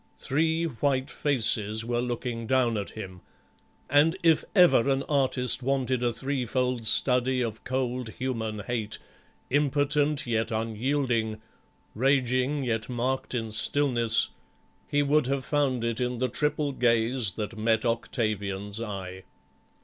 Three white set faces were looking down at him, and if ever an artist wanted a threefold study of cold human hate, impotent yet unyielding, raging yet masked in stillness, he would have found it in the triple gaze that met Octavian's eye.